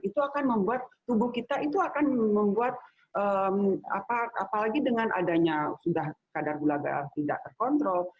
itu akan membuat tubuh kita itu akan membuat apalagi dengan adanya sudah kadar gula darah tidak terkontrol